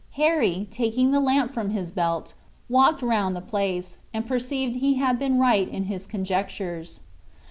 Harry, taking the lamp from his belt, walked round the place, and perceived he had been right in his conjectures.